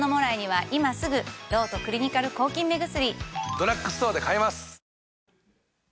ドラッグストアで買えます！